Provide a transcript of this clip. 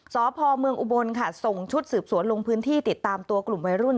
สพเมืองอุบลค่ะส่งชุดสืบสวนลงพื้นที่ติดตามตัวกลุ่มวัยรุ่น